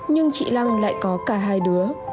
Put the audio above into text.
nhưng chị lăng lại có cả hai đứa